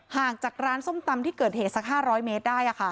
ห่างจากร้านส้มตำที่เกิดเหตุสัก๕๐๐เมตรได้